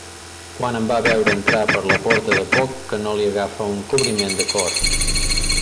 Quan em va veure entrar per la porta de poc que no li agafa un cobriment de cor.